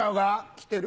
来てる。